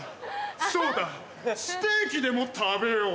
そうだステーキでも食べよう。